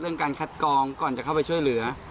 การคัดกองก่อนจะเข้าไปช่วยเหลือ